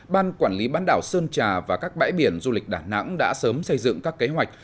ban quản lý bán đảo sơn trà và các bãi biển du lịch đà nẵng đã sớm xây dựng các kế hoạch